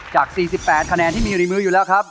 จาก๔๘คะแนนที่มีอยู่ในมืออยู่แล้วครับ